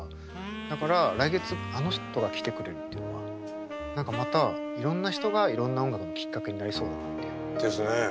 だから来月あの人が来てくれるっていうのは何かまたいろんな人がいろんな音楽のきっかけになりそうだなっていう。ですね。